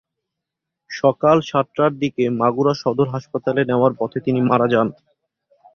সকাল সাতটার দিকে মাগুরা সদর হাসপাতালে নেওয়ার পথে তিনি মারা যান।